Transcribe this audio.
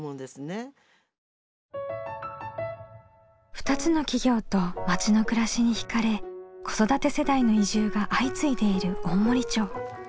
２つの企業と町の暮らしにひかれ子育て世代の移住が相次いでいる大森町。